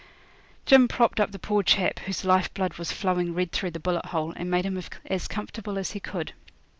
Jim propped up the poor chap, whose life blood was flowing red through the bullet hole, and made him as comfortable as he could.